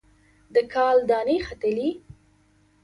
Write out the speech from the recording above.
د کال دانې ختلي